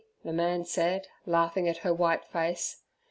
the man said, laughing at her white face.